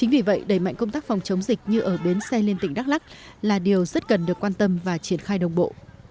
vì vậy đẩy mạnh công tác phòng chống dịch như ở bến xe liên tỉnh đắk lắc là điều rất cần được quan tâm và triển khai đồng bộ